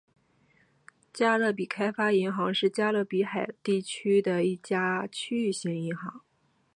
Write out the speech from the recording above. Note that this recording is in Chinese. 加勒比开发银行是加勒比海地区的一家区域性银行。